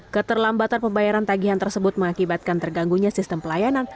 keterlambatan pembayaran tagihan tersebut mengakibatkan terganggunya sistem pelayanan